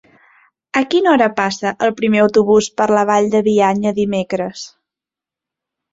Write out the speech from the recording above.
A quina hora passa el primer autobús per la Vall de Bianya dimecres?